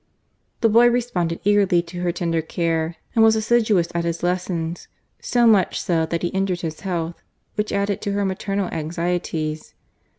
The boy responded eagerly to her tender care, and was assiduous at his lessons, so much so that he injured his health, which added to her maternal anxieties.